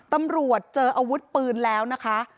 ตำรวจเจออาวุธปืนแล้วนะคะ